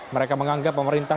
mereka menganggap pemerintah